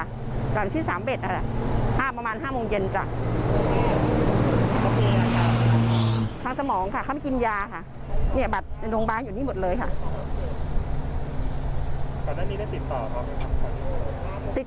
เขาบอกว่าอยู่จุดกันที่นี้ประเมินเมื่อคืน